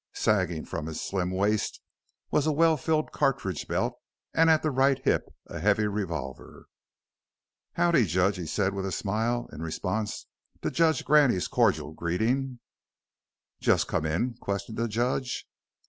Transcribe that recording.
Sagging from his slim waist was a well filled cartridge belt and at the right hip a heavy revolver. "Howdy, judge!" he said with a smile, in response to Judge Graney's cordial greeting. "Just come in?" questioned the judge.